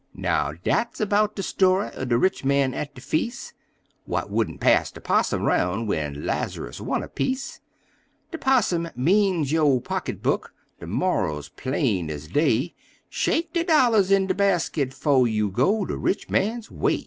Now, dat's erbout de story er de rich man at de feas', What wouldn't pass de 'possum roun' when Laz'rus want a piece. De 'possum means yo' pocketbook, de moral's plain ez day: Shake de dollars in de basket 'fo' you go de rich man's way!